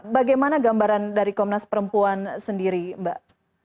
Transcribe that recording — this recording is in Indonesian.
bagaimana gambaran dari komnas perempuan sendiri mbak